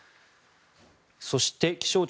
そして、気象庁